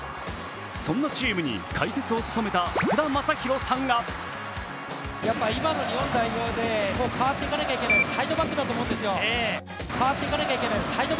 そんなチームに解説を務めた福田正博さんがやっぱ今の日本代表で変わっていかなきゃいけないのはサイドバックだと思うんですよ。